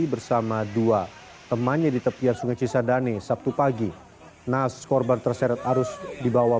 bersama dua temannya di tepian sungai kisah dane sabtu pagi nas korban terseret arus di bawah